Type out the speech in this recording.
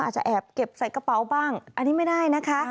อาจจะแอบเก็บใส่กระเป๋าบ้างอันนี้ไม่ได้นะคะ